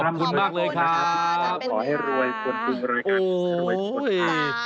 ขอบคุณมากเลยครับขอให้รวยคุณคุณเลยกัน